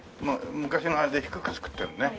昔のあれで低く造ってるね。